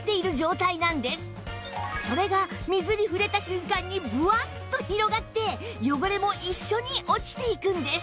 それが水に触れた瞬間にブワッと広がって汚れも一緒に落ちていくんです